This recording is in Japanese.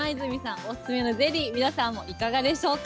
お勧めのゼリー、皆さんもいかがでしょうか。